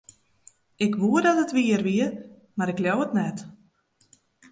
Ik woe dat it wier wie, mar ik leau it net.